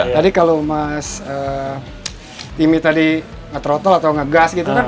tadi kalau mas timmy tadi nge trotol atau ngegas gitu kan